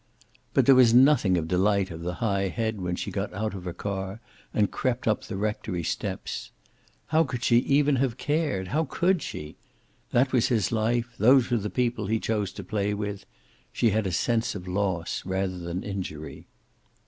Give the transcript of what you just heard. But there was nothing of Delight of the high head when she got out of her car and crept up the rectory steps. How could she even have cared? How could she? That was his life, those were the people he chose to play with. She had a sense of loss, rather than injury.